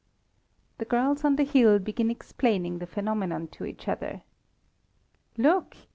The girls on the hill begin explaining the phenomenon to each other. "Look!